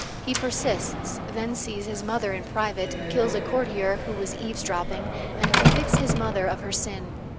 He persists, then sees his mother in private, kills a courtier who was eavesdropping, and convicts his mother of her sin.